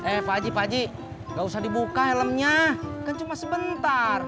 eh pak haji pak haji gak usah dibuka helmnya kan cuma sebentar